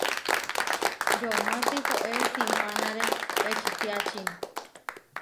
Yomá tihoé simpanáre ečitiáči.